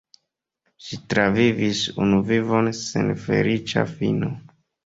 Ŝi travivis unu vivon sen feliĉa fino.